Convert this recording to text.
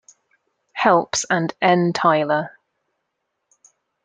Helps and N. Tyler.